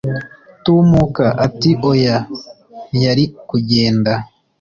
tumuka, ati oya. ntiyari kugenda